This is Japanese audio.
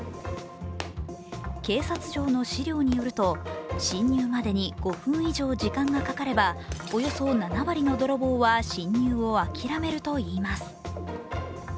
警察庁の資料によると侵入までに５分以上時間がかかればおよそ７割の泥棒は侵入を諦めるといいます。